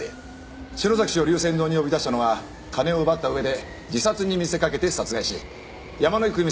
篠崎氏を龍泉洞に呼び出したのは金を奪ったうえで自殺に見せかけて殺害し山井久美